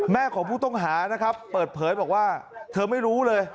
ของผู้ต้องหานะครับเปิดเผยบอกว่าเธอไม่รู้เลย